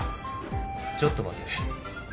ちょっと待て。